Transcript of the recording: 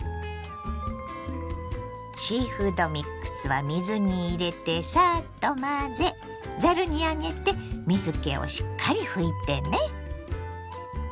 シーフードミックスは水に入れてサッと混ぜざるに上げて水けをしっかり拭いてね。